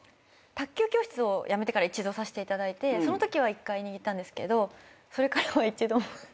卓球教室をやめてから一度さしていただいてそのときは一回握ったんですけどそれからは一度も。